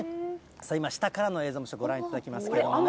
今、下からの映像もちょっとご覧いただきますけれどもね。